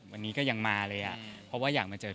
วันนี้ก็ยังมาเลยอะ